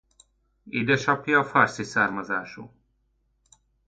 Édesapja Parsi származású.